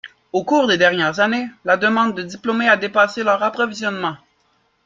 Au cours des dernières années, la demande de diplômés a dépassé leur approvisionnement.